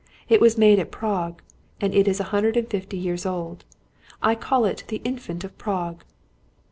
It was made at Prague, and it is a hundred and fifty years old. I call it the Infant of Prague."